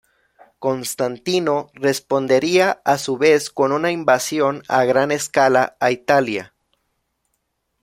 Constantino, respondería a su vez con una invasión a gran escala a Italia.